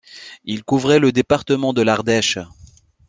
Il couvrait le département de l'Ardèche.